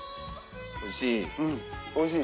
おいしい？